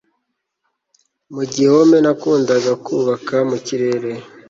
Mu gihome nakundaga kubaka mu kirere